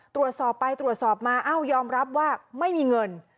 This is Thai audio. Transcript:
ตรวจสอบไปตรวจสอบมาเอ้ายอมรับว่าไม่มีเงิน